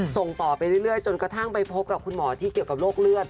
ส่งต่อไปเรื่อยจนกระทั่งไปพบกับคุณหมอที่เกี่ยวกับโรคเลือด